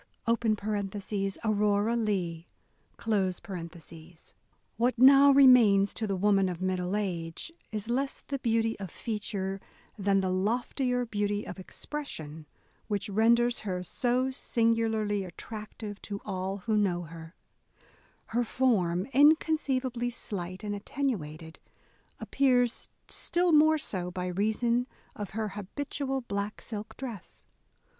{Aurora Leigh). A DAY WITH E. B. BROWNING What now remains to the woman of middle age, is less the beauty of feature than *' the loftier beauty of expression," which renders her so singularly attractive to all who know her. Her form, inconceivably slight and attenuated, appears still more so by reason of her habitual black silk dress.